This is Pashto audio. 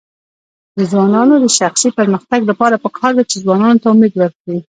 د ځوانانو د شخصي پرمختګ لپاره پکار ده چې ځوانانو ته امید ورکړي.